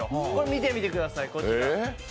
見てみてください、こちら。